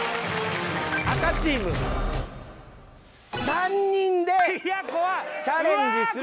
赤チーム３人でチャレンジする。